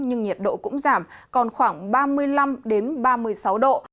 nhưng nhiệt độ cũng giảm còn khoảng ba mươi năm ba mươi sáu độ